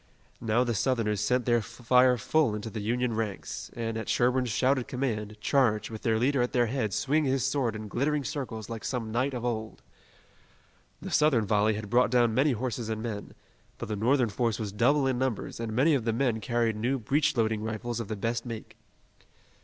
Now the Southerners sent their fire full into the Union ranks, and, at Sherburne's shouted command, charged, with their leader at their head swinging his sword in glittering circles like some knight of old. The Southern volley had brought down many horses and men, but the Northern force was double in numbers and many of the men carried new breech loading rifles of the best make.